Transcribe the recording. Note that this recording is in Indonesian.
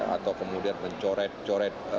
atau kemudian mencoret coret